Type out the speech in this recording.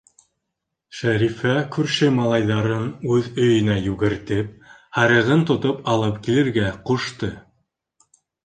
Шәрифә күрше малайҙарын үҙ өйөнә йүгертеп, һарығын тотоп алып килергә ҡушты.